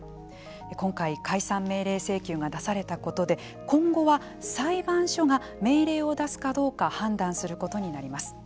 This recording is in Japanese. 今回解散命令請求が出されたことで今後は裁判所が命令を出すかどうか判断することになります。